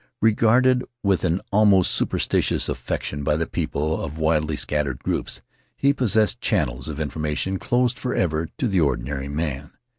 Regarded with an almost superstitious affection by the people of widely scattered groups, he possessed channels of information closed forever to the ordinary man.